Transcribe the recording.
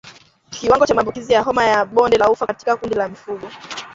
Kiwango cha maambukizi ya homa ya bonde la ufa katika kundi la mifugo